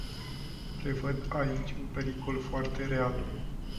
Prevăd aici un pericol foarte real.